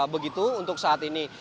begitu untuk saat ini